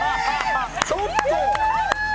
ちょっと！